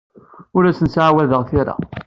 Ur asent-ttɛawadeɣ tira.